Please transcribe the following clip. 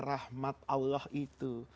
rahmat allah itu